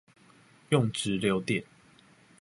用直流電